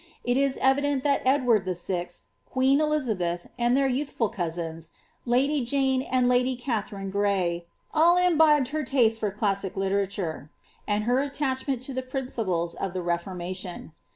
It is evident thai Ed wkrd V]., queen Elizabeth, and their youthful cousins, lady Juie end lady Katharine Gray, all imbibed her taste Ibr classic literature, and her attachment to the principles of the Reformation.